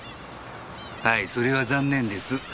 はいそれは残念です！